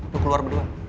lu keluar berdua